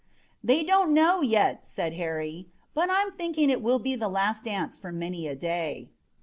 "They don't know yet," said Harry, "but I'm thinking it will be the last dance for many a day."